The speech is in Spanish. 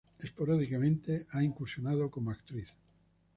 Esporádicamente ha incursionado como actriz.